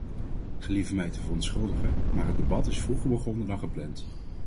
Gelieve mij te verontschuldigen, maar het debat is vroeger begonnen dan gepland.